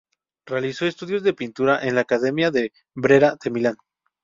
Realizó estudios de pintura en la "Academia de Brera", de Milán.